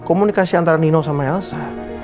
komunikasi antara nino sama elsa